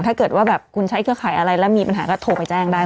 ถ้าเกิดว่าแบบคุณใช้เครือข่ายอะไรแล้วมีปัญหาก็โทรไปแจ้งได้